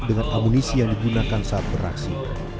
dengan amunisi yang digunakan saat beraksi